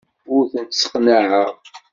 Ur tent-sseqnaɛeɣ.